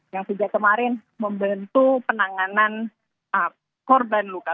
yang sejak kemarin membentuk penanganan korban luka